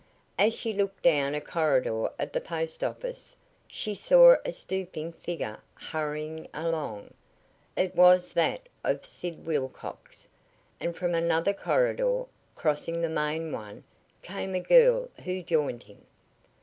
As she looked down a corridor of the post office, she saw a stooping figure hurrying along. It was that of Sid Wilcox. And from another corridor, crossing the main one, came a girl, who joined him.